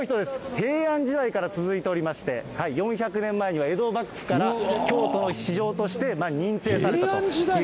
平安時代から続いておりまして、４００年前には江戸幕府から京都の市場として認定されたという。